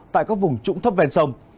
tại các vùng trụng thấp vèn sông